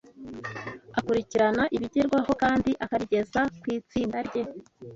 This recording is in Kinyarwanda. akurikirana ibigerwaho kandi akabigeza kwitsinda rye